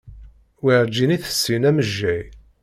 Werǧin i tessin amejjay.